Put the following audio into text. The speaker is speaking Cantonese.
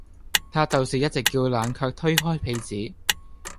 她就是一直叫冷卻推開被子